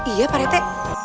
iya pak rete